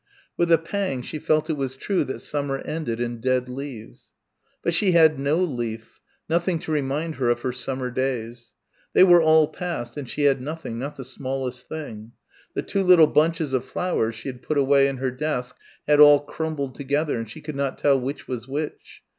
With a pang she felt it was true that summer ended in dead leaves. But she had no leaf, nothing to remind her of her summer days. They were all past and she had nothing not the smallest thing. The two little bunches of flowers she had put away in her desk had all crumbled together, and she could not tell which was which....